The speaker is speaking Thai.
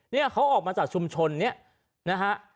เนี่ยเขาออกมาจากชุมชนเนี่ยนะฮะ